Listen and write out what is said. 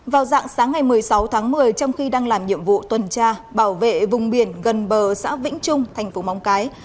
vào dạng sáng ngày một mươi sáu tháng một mươi trong khi đang làm nhiệm vụ tuần tra bảo vệ vùng biển gần bờ xã vĩnh trung thành phố móng cái